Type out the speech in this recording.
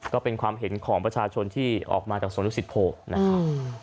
ก็เป็นความเห็นของประชาชนที่ออกมาจากสวนดุสิตโพนะครับ